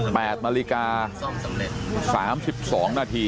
นาฬิกาสามสิบสองนาที